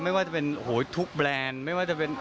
ไม่ว่าจะเป็นโอ้โหทุกแบรนด์ไม่ว่าจะเป็น